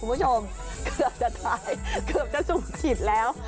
เกือบจะท้ายเกือบจะซุ่มฉีดแล้ว